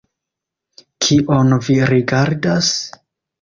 Kion vi rigardas?